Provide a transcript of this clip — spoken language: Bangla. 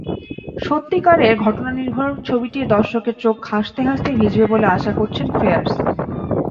সত্যিকারের ঘটনানির্ভর ছবিটির দর্শকের চোখ হাসতে হাসতেই ভিজবে বলে আশা করছেন ফ্রেয়ার্স।